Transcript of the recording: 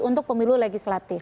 untuk pemilu legislatif